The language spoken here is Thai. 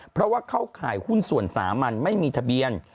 เพราะว่าเข้าข่ายหุ้นส่วนสามัญไม่มีทะเบียน